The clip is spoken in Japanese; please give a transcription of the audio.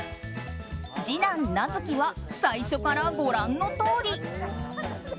次男・名月は最初からご覧のとおり。